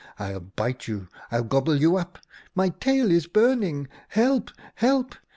I'll bite you! I'll gobble you up! My tail is burning! Help! Help!'